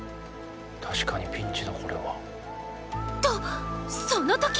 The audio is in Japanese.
確かにピンチだこれは。とそのとき！